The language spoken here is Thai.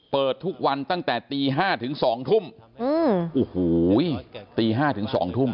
เปิดทุกวันตั้งแต่ตี๕ถึง๒ทุ่มโอ้โหตี๕ถึง๒ทุ่ม